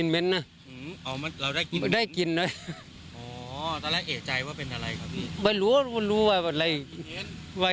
เป็นรอยปล่องเลยหรือคว่ำหน้าอยู่ครับคว่ำหน้า